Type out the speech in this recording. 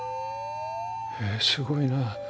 へえすごいな。